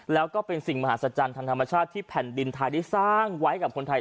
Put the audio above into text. แล้วก็เป็นสิ่งมหัศจรรย์ทางธรรมชาติที่แผ่นดินไทยได้สร้างไว้กับคนไทย